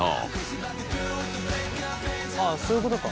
ああそういうことか。